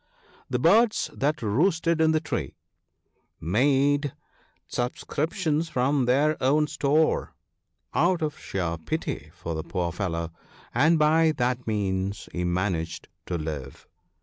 The birds that roosted in the tree made subscriptions from their own store, out of sheer pity for the poor fellow, and by that means he managed to live.